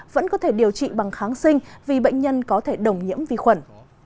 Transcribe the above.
vẫn có thể điều trị bằng kháng sinh vì bệnh nhân có thể đồng nhiễm vi khuẩn